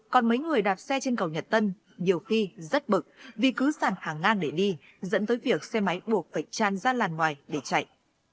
còn mấy người đạp xe trên cầu nhật tân nhiều khi rất bực vì cứ sàn hàng ngang để đi dẫn tới việc xe máy buộc phải tràn ra làn ngoài để chạy